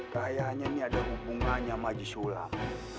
kayaknya ini ada hubungannya sama jisulam